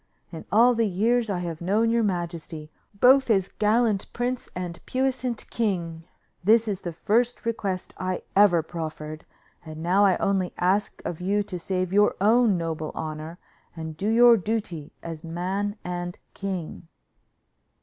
In all the years I have known your majesty, both as gallant prince and puissant king, this is the first request I ever proffered, and now I only ask of you to save your own noble honor, and do your duty as man and king."